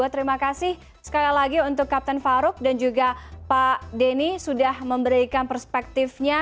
terima kasih sekali lagi untuk kapten farouk dan juga pak denny sudah memberikan perspektifnya